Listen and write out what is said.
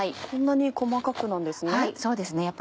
こんなに細かくなんですね。